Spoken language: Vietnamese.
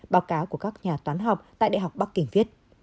báo cáo của các nhà toán học tại đại học bắc kinh viết